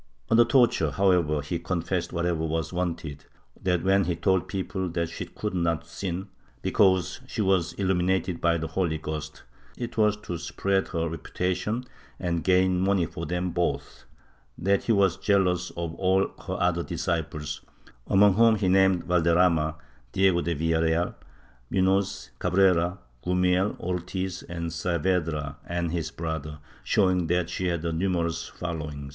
Under torture, however, he confessed whatever was wanted — that when he told people that she could not sin, because she was illuminated by the Holy Ghost, it was to spread her repu tation and gain money for them both; that he was jealous of all her other disciples, among whom he named Valderrama, Diego de Villareal, Munoz, Cabrera, Gumiel, Ortiz and Sayavedra and his brother, showing that she had a numerous following.